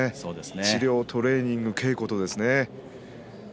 治療とトレーニングと稽古とね。